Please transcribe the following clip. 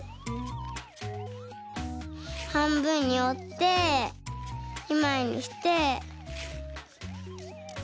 はんぶんにおって２まいにして。